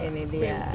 nah ini dia